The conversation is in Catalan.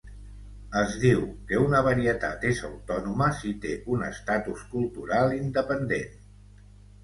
Es diu que una varietat és autònoma si té un estatus cultural independent.